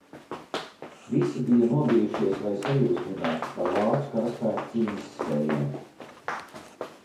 Visi bija nobijušies vai sajūsmināti par vācu karaspēka cīņas spējām.